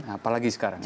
apalagi sekarang ya